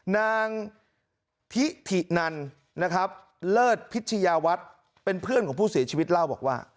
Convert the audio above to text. นางทิถินันนะครับเลิศพิชยาวัฒน์เป็นเพื่อนของผู้เสียชีวิตเล่าบอกว่า